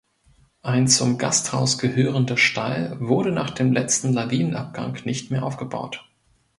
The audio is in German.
Ein zum Gasthaus gehörender Stall wurde nach dem letzten Lawinenabgang nicht mehr aufgebaut.